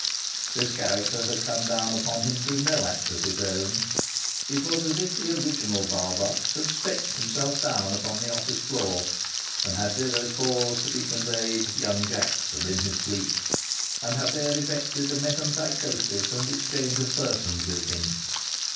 This character had come upon him through no act of his own. It was as if the original Barbox had stretched himself down upon the office floor, and had thither caused to be conveyed Young Jackson in his sleep, and had there effected a metempsychosis and exchange of persons with him.